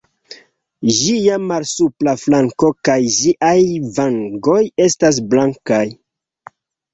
Ĝia malsupra flanko kaj ĝiaj vangoj estas blankaj.